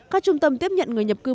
các trung tâm tiếp nhận người nhập cư